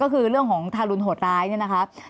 ก็คือเรื่องของทารุณโหดร้ายเนี่ยนะคะ